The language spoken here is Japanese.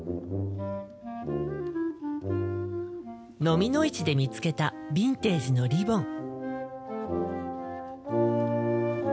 のみの市で見つけたビンテージのリボン。